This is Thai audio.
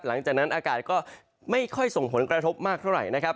หลังจากนั้นอากาศก็ไม่ค่อยส่งผลกระทบมากเท่าไหร่นะครับ